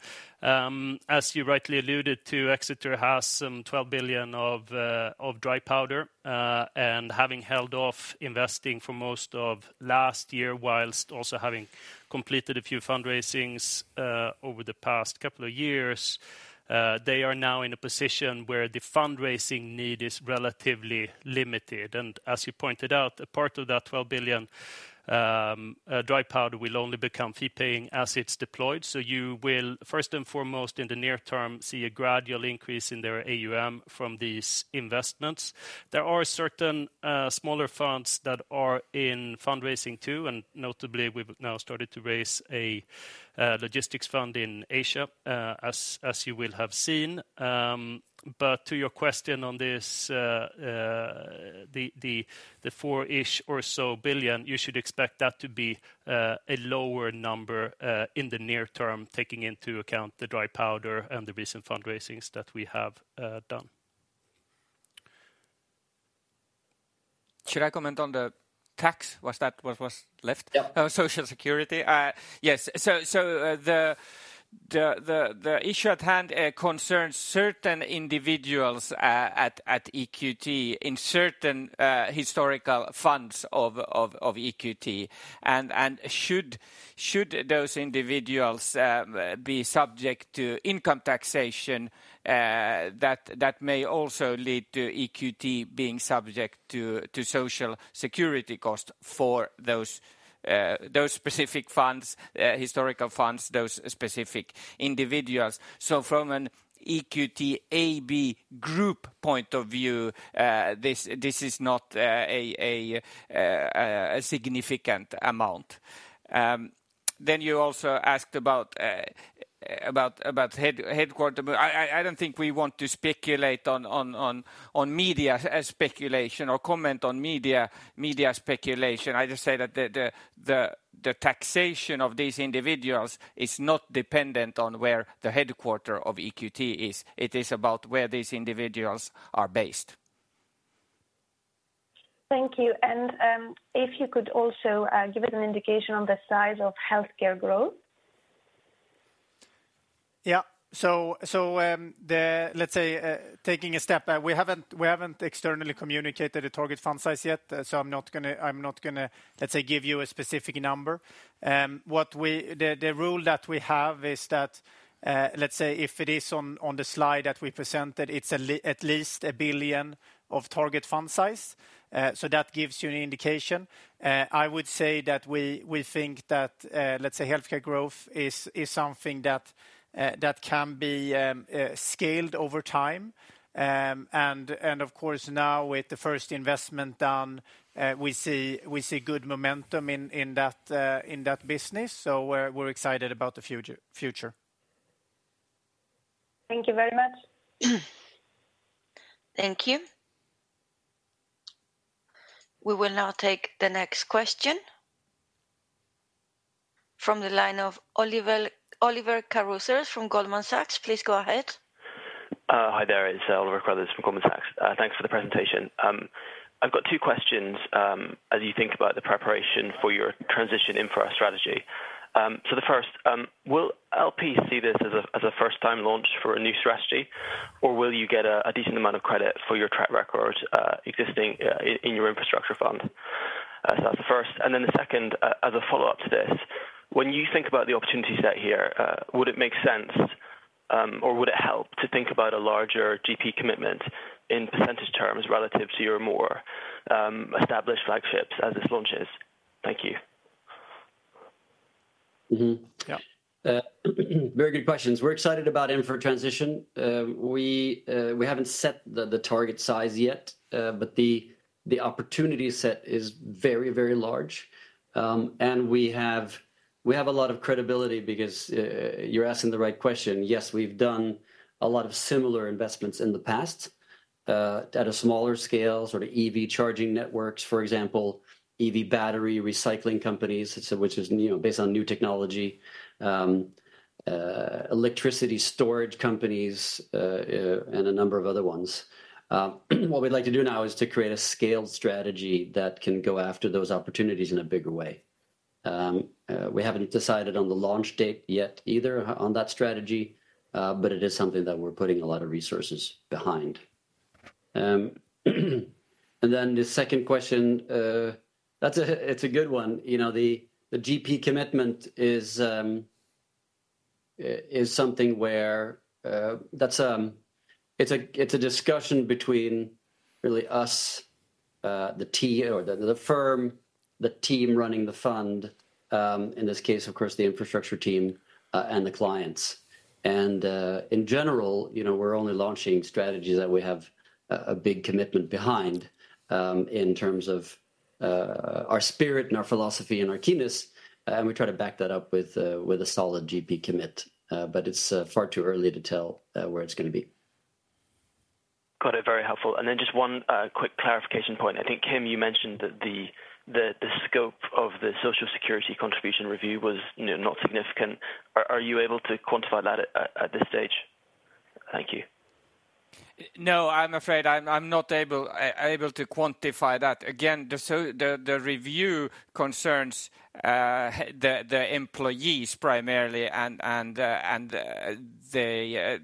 As you rightly alluded to, Exeter has some 12 billion of dry powder, and having held off investing for most of last year, whilst also having completed a few fundraisings over the past couple of years, they are now in a position where the fundraising need is relatively limited. And as you pointed out, a part of that 12 billion dry powder will only become fee-paying as it's deployed. So you will, first and foremost, in the near term, see a gradual increase in their AUM from these investments. There are certain, smaller funds that are in fundraising too, and notably, we've now started to raise a logistics fund in Asia, as you will have seen. But to your question on this, the four-ish or so billion, you should expect that to be a lower number in the near term, taking into account the dry powder and the recent fundraisings that we have done. Should I comment on the tax? Was that what was left? Yeah. Oh, Social Security. Yes. So, the issue at hand concerns certain individuals at EQT in certain historical funds of EQT. And should those individuals be subject to income taxation, that may also lead to EQT being subject to social security cost for those specific funds, historical funds, those specific individuals. So from an EQT AB group point of view, this is not a significant amount. Then you also asked about headquarters. But I don't think we want to speculate on media speculation or comment on media speculation. I just say that the taxation of these individuals is not dependent on where the headquarters of EQT is. It is about where these individuals are based. Thank you. And if you could also give an indication on the size of healthcare growth? Yeah. So, taking a step back, we haven't externally communicated a target fund size yet, so I'm not gonna give you a specific number. What we... The rule that we have is that, let's say if it is on the slide that we presented, it's at least 1 billion of target fund size. So that gives you an indication. I would say that we think that, let's say healthcare growth is something that can be scaled over time. And of course, now, with the first investment done, we see good momentum in that business, so we're excited about the future. Thank you very much. Thank you. We will now take the next question from the line of Oliver, Oliver Carruthers from Goldman Sachs. Please go ahead. Hi there. It's Oliver Carruthers from Goldman Sachs. Thanks for the presentation. I've got two questions, as you think about the preparation for your transition infra strategy. So the first, will LP see this as a first-time launch for a new strategy, or will you get a decent amount of credit for your track record, existing in your infrastructure fund? So that's the first, and then the second, as a follow-up to this: When you think about the opportunity set here, would it make sense, or would it help to think about a larger GP commitment in percentage terms relative to your more established flagships as this launches? Thank you. Mm-hmm. Yeah. Very good questions. We're excited about infra transition. We haven't set the target size yet, but the opportunity set is very, very large. We have a lot of credibility because you're asking the right question. Yes, we've done a lot of similar investments in the past, at a smaller scale, sort of EV charging networks, for example, EV battery recycling companies, which is, you know, based on new technology, electricity storage companies, and a number of other ones. What we'd like to do now is to create a scaled strategy that can go after those opportunities in a bigger way. We haven't decided on the launch date yet either on that strategy, but it is something that we're putting a lot of resources behind. And then the second question, that's a good one. You know, the GP commitment is something where, that's... It's a discussion between really us, the team or the firm, the team running the fund, in this case, of course, the infrastructure team, and the clients. In general, you know, we're only launching strategies that we have a big commitment behind in terms of our spirit and our philosophy and our keenness, and we try to back that up with a solid GP commit. But it's far too early to tell where it's gonna be. Got it. Very helpful. And then just one quick clarification point. I think, Kim, you mentioned that the scope of the social security contribution review was not significant. Are you able to quantify that at this stage? Thank you. No, I'm afraid I'm not able to quantify that. Again, the review concerns the employees primarily, and they...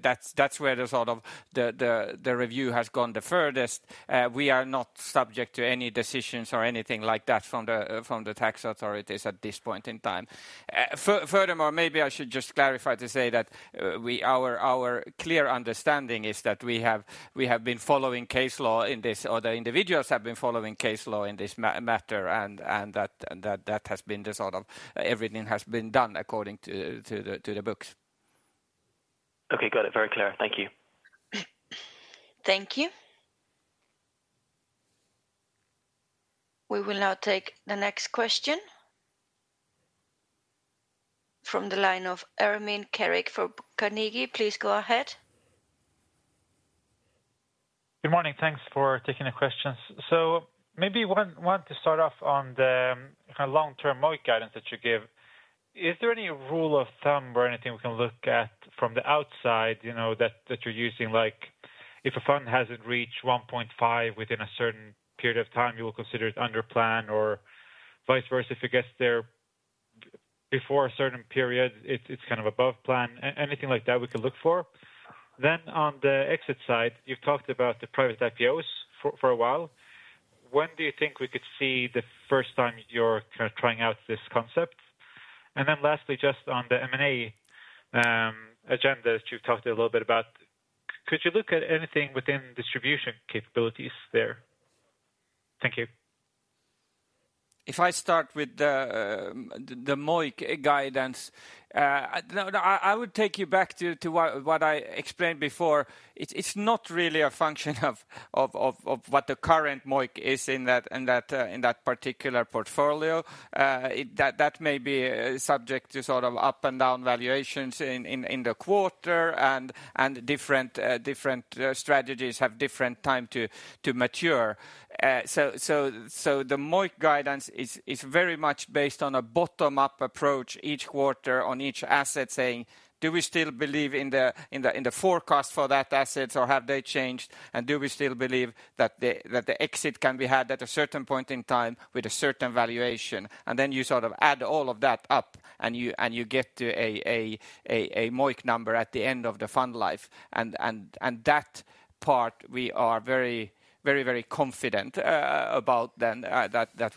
That's where the review has gone the furthest. We are not subject to any decisions or anything like that from the tax authorities at this point in time. Furthermore, maybe I should just clarify to say that our clear understanding is that we have been following case law in this, or the individuals have been following case law in this matter, and that that has been the sort of... Everything has been done according to the books. Okay. Got it. Very clear. Thank you. Thank you. We will now take the next question from the line of Ermin Keric from Carnegie. Please go ahead. Good morning. Thanks for taking the questions. So maybe want to start off on the kind of long-term MOIC guidance that you give. Is there any rule of thumb or anything we can look at from the outside, you know, that you're using? Like, if a fund hasn't reached 1.5 within a certain period of time, you will consider it under plan or vice versa, if it gets there before a certain period, it's kind of above plan. Anything like that we could look for? Then on the exit side, you've talked about the Private IPOs for a while. When do you think we could see the first time you're kind of trying out this concept? And then lastly, just on the M&A agenda that you've talked a little bit about, could you look at anything within distribution capabilities there? Thank you. If I start with the MOIC guidance, no, no, I would take you back to what I explained before. It's not really a function of what the current MOIC is in that particular portfolio. That may be subject to sort of up and down valuations in the quarter, and different strategies have different time to mature. So the MOIC guidance is very much based on a bottom-up approach each quarter on each asset, saying, "Do we still believe in the forecast for that asset, or have they changed? And do we still believe that the exit can be had at a certain point in time with a certain valuation?" And then you sort of add all of that up, and you get to a MOIC number at the end of the fund life. And that part we are very, very, very confident about. Then, that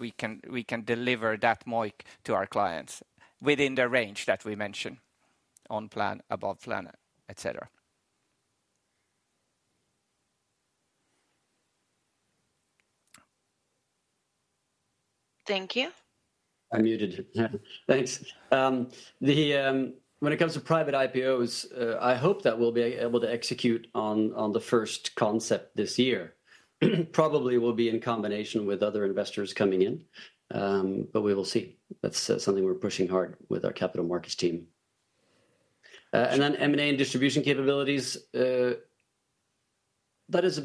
we can deliver that MOIC to our clients within the range that we mention, on plan, above plan, et cetera. Thank you. I'm muted. Thanks. When it comes to Private IPOs, I hope that we'll be able to execute on the first concept this year. Probably will be in combination with other investors coming in, but we will see. That's something we're pushing hard with our capital markets team. And then M&A and distribution capabilities, that is,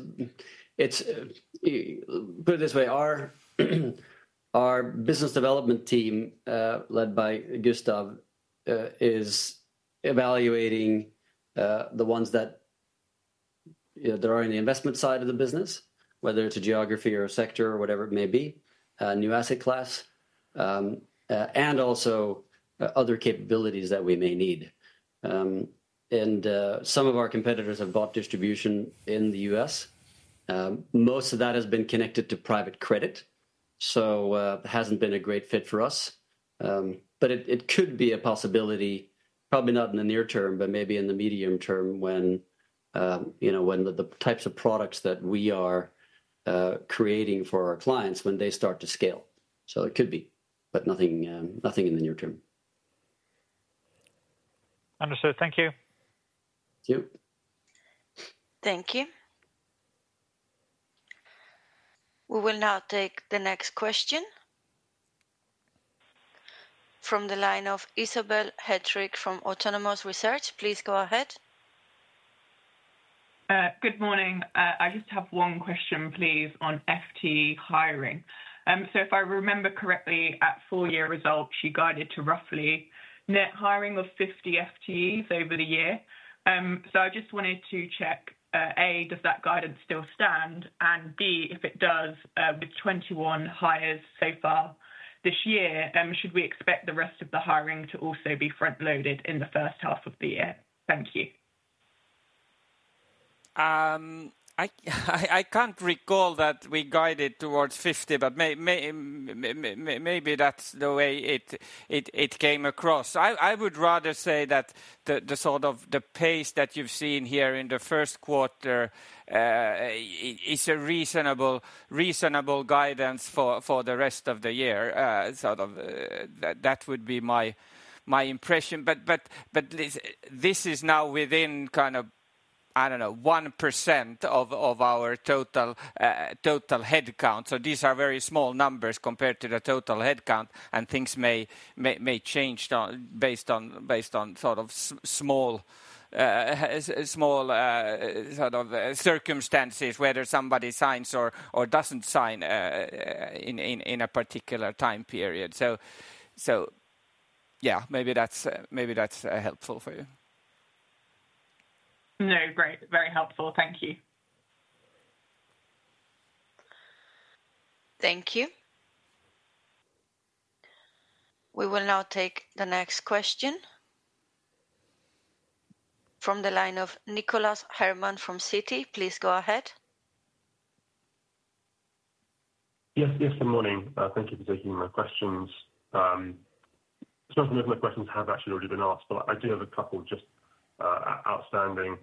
it's... Put it this way: our business development team, led by Gustav, is evaluating the ones that, you know, there are in the investment side of the business, whether it's a geography or a sector or whatever it may be, a new asset class, and also other capabilities that we may need. And some of our competitors have bought distribution in the U.S. Most of that has been connected to private credit, so, hasn't been a great fit for us. But it, it could be a possibility, probably not in the near term, but maybe in the medium term when, you know, when the, the types of products that we are, creating for our clients, when they start to scale. So it could be, but nothing, nothing in the near term. Understood. Thank you. Thank you. Thank you. We will now take the next question from the line of Isobel Hettrick from Autonomous Research. Please go ahead. Good morning. I just have one question, please, on FTE hiring. If I remember correctly, at full year results, you guided to roughly net hiring of 50 FTEs over the year. I just wanted to check, A, does that guidance still stand, and B, if it does, with 21 hires so far this year, should we expect the rest of the hiring to also be front-loaded in the first half of the year? Thank you. I can't recall that we guided towards 50, but maybe that's the way it came across. I would rather say that the sort of the pace that you've seen here in the first quarter is a reasonable guidance for the rest of the year. Sort of, that would be my impression. But this is now within kind of, I don't know, 1% of our total headcount. So these are very small numbers compared to the total headcount, and things may change on based on sort of small circumstances, whether somebody signs or doesn't sign in a particular time period. So yeah, maybe that's helpful for you. No, great. Very helpful. Thank you. Thank you. We will now take the next question from the line of Nicholas Herman from Citi. Please go ahead. Yes, yes, good morning. Thank you for taking my questions. Some of my questions have actually already been asked, but I do have a couple just outstanding.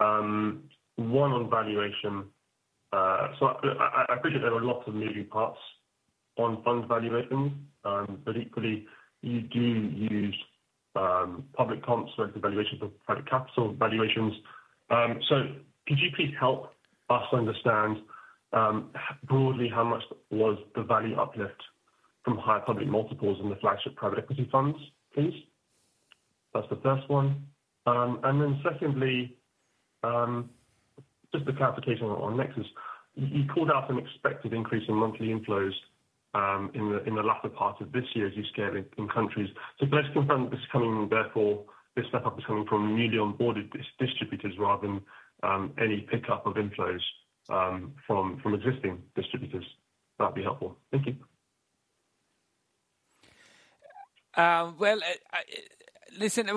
One on valuation. So I appreciate there are lots of moving parts on fund valuations, but equally, you do use public comps versus valuations of private capital valuations. So could you please help us understand broadly, how much was the value uplift from higher public multiples in the flagship private equity funds, please? That's the first one. And then secondly, just a clarification on Nexus. You called out an expected increase in monthly inflows in the latter part of this year as you scale in countries. Can I just confirm this is coming therefore, this step up is coming from newly onboarded distributors rather than any pickup of inflows from existing distributors? That'd be helpful. Thank you. Well, listen,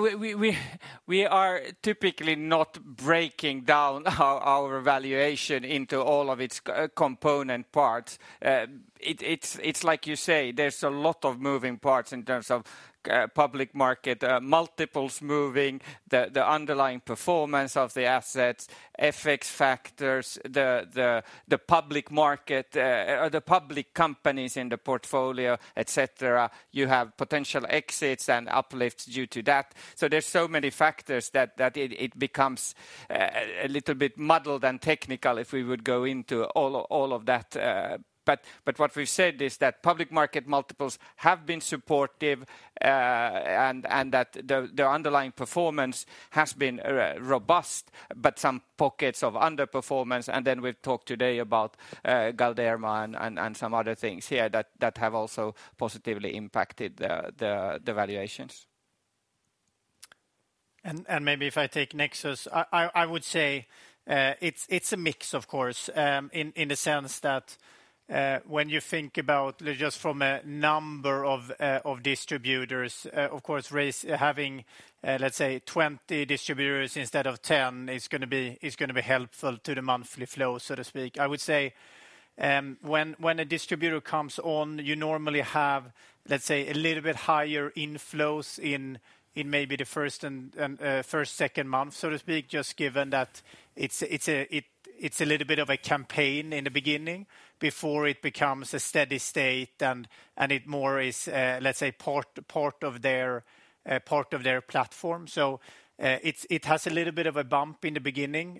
we are typically not breaking down our valuation into all of its component parts. It's like you say, there's a lot of moving parts in terms of public market multiples moving, the underlying performance of the assets, FX factors, the public market or the public companies in the portfolio, et cetera. You have potential exits and uplifts due to that. So there's so many factors that it becomes a little bit muddled and technical if we would go into all of that. But what we've said is that public market multiples have been supportive, and that the underlying performance has been very robust, but some pockets of underperformance. Then we've talked today about Galderma and some other things here that have also positively impacted the valuations. Maybe if I take Nexus, I would say, it's a mix, of course, in the sense that, when you think about just from a number of distributors, of course, having, let's say, 20 distributors instead of 10 is gonna be helpful to the monthly flow, so to speak. I would say, when a distributor comes on, you normally have, let's say, a little bit higher inflows in maybe the first and second month, so to speak, just given that it's a little bit of a campaign in the beginning before it becomes a steady state and it more is, let's say, part of their platform. So, it has a little bit of a bump in the beginning,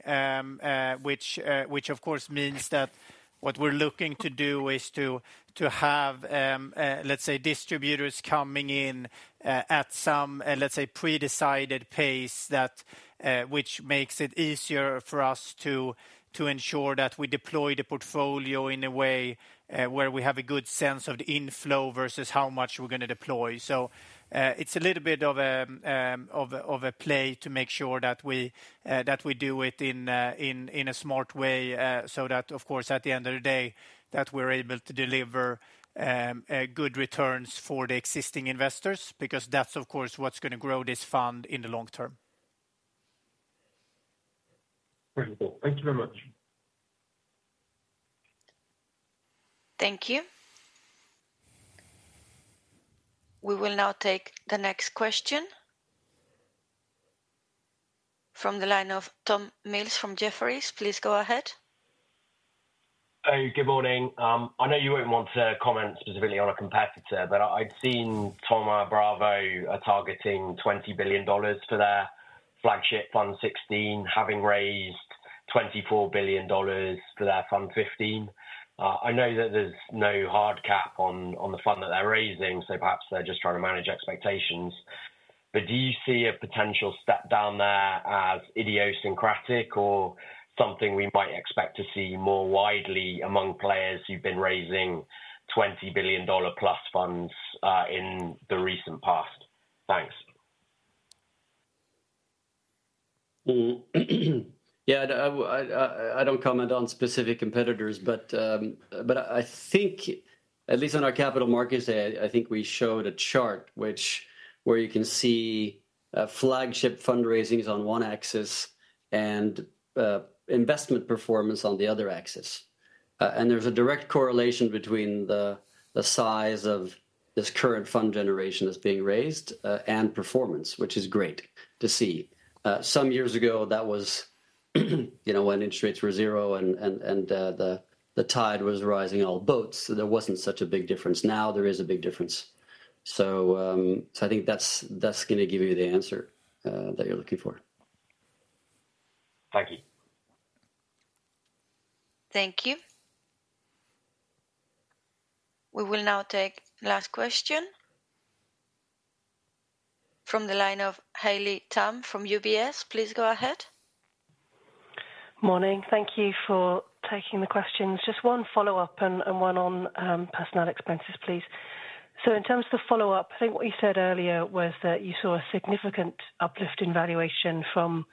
which of course means that what we're looking to do is to have, let's say, distributors coming in at some, let's say, pre-decided pace that... Which makes it easier for us to ensure that we deploy the portfolio in a way where we have a good sense of the inflow versus how much we're gonna deploy. So, it's a little bit of a, of a play to make sure that we that we do it in a, in a smart way, so that, of course, at the end of the day, that we're able to deliver a good returns for the existing investors, because that's, of course, what's gonna grow this fund in the long term. Wonderful. Thank you very much. Thank you. We will now take the next question from the line of Tom Mills from Jefferies. Please go ahead. Good morning. I know you wouldn't want to comment specifically on a competitor, but I've seen Thoma Bravo are targeting $20 billion for their flagship Fund XVI, having raised $24 billion for their Fund XV. I know that there's no hard cap on the fund that they're raising, so perhaps they're just trying to manage expectations. But do you see a potential step down there as idiosyncratic, or something we might expect to see more widely among players who've been raising EUR 20 billion+ funds in the recent past? Thanks. Yeah, I don't comment on specific competitors, but, but I think, at least on our Capital Markets Day, I think we showed a chart which, where you can see flagship fundraisings on one axis and investment performance on the other axis. And there's a direct correlation between the size of this current fund generation that's being raised and performance, which is great to see. Some years ago, that was, you know, when interest rates were zero and, and the tide was rising all boats, there wasn't such a big difference. Now, there is a big difference. So, so I think that's, that's gonna give you the answer that you're looking for. Thank you. Thank you. We will now take the last question from the line of Haley Tam from UBS. Please go ahead. Morning. Thank you for taking the questions. Just one follow-up and one on personnel expenses, please. So in terms of the follow-up, I think what you said earlier was that you saw a significant uplift in valuation from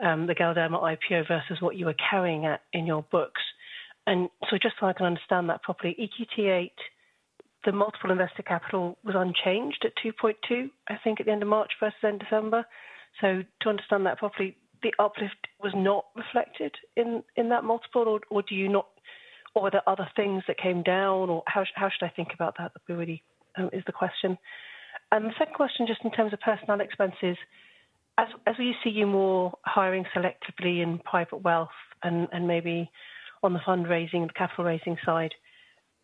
the Galderma IPO versus what you were carrying at in your books. And so just so I can understand that properly, EQT VIII, the MOIC was unchanged at 2.2, I think, at the end of March versus end December. So to understand that properly, the uplift was not reflected in that multiple, or do you not... Or are there other things that came down? Or how should I think about that, really, is the question. The second question, just in terms of personnel expenses, as we see you more hiring selectively in private wealth and maybe on the fundraising and capital raising side,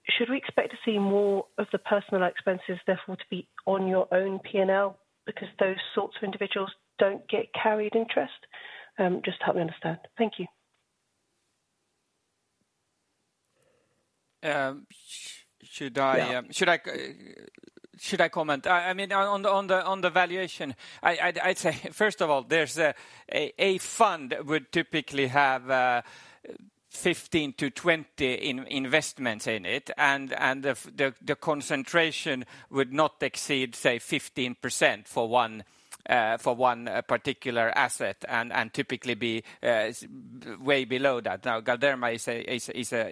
should we expect to see more of the personnel expenses therefore to be on your own P&L? Because those sorts of individuals don't get carried interest. Just help me understand. Thank you. Should I? Yeah. Should I... Should I comment? I mean, on the valuation, I'd say, first of all, there's a fund would typically have 15-20 investments in it, and the concentration would not exceed, say, 15% for one particular asset and typically be way below that. Now, Galderma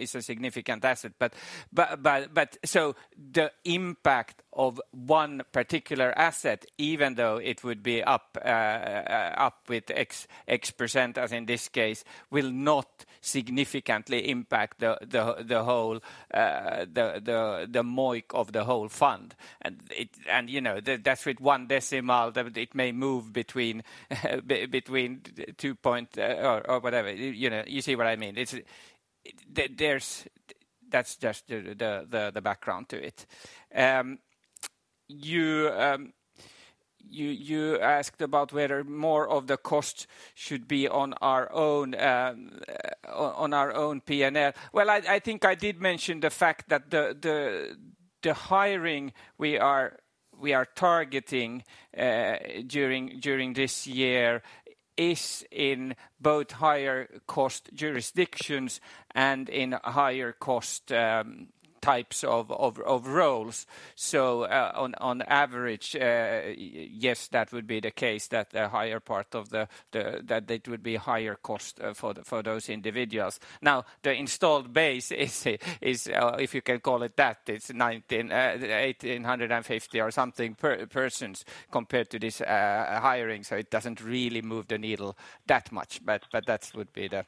is a significant asset, but so the impact of one particular asset, even though it would be up X percent, as in this case, will not significantly impact the whole MOIC of the whole fund. And, you know, that's with one decimal, that it may move between 2.0 or whatever. You know, you see what I mean. It's, there's-- That's just the background to it. You asked about whether more of the cost should be on our own P&L. Well, I think I did mention the fact that the hiring we are targeting during this year is in both higher cost jurisdictions and in higher cost types of roles. So, on average, yes, that would be the case, that the higher part of the, that it would be higher cost for those individuals. Now, the installed base is, if you can call it that, it's 1,850 or something persons compared to this hiring, so it doesn't really move the needle that much. But that would be the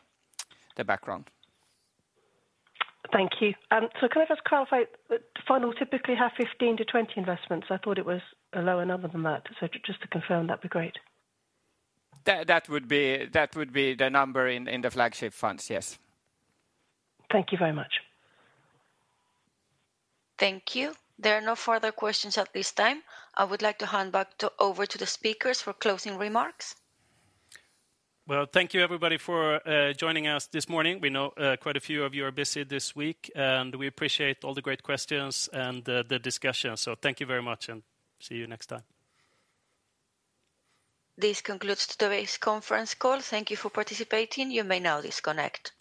background. Thank you. Can I just clarify, the fund will typically have 15-20 investments? I thought it was a lower number than that. Just to confirm, that'd be great. That would be the number in the flagship funds, yes. Thank you very much. Thank you. There are no further questions at this time. I would like to hand back to... over to the speakers for closing remarks. Well, thank you, everybody, for joining us this morning. We know quite a few of you are busy this week, and we appreciate all the great questions and the discussion. So thank you very much, and see you next time. This concludes today's conference call. Thank you for participating. You may now disconnect.